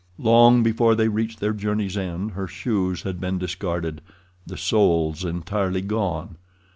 Long before they reached their journey's end her shoes had been discarded—the soles entirely gone.